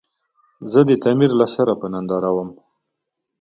زه د تعمير له سره په ننداره ووم.